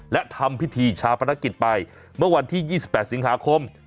และทำพิธีชาปนกิจไปเมื่อวันที่๒๘สิงหาคม